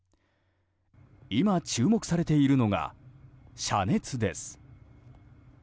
今、注目されているのが遮熱です。